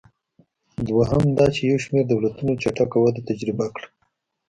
دویم دا چې یو شمېر دولتونو چټکه وده تجربه کړه.